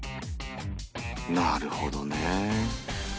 なるほどね。